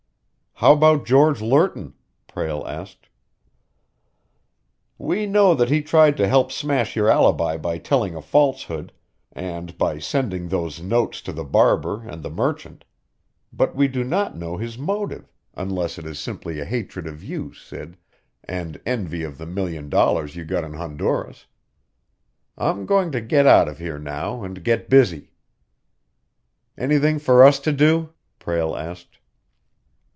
"How about George Lerton?" Prale asked. "We know that he tried to help smash your alibi by telling a falsehood, and by sending those notes to the barber and the merchant. But we do not know his motive, unless it is simply a hatred of you, Sid, and envy of the million dollars you got in Honduras. I'm going to get out of here now, and get busy." "Anything for us to do?" Prale asked.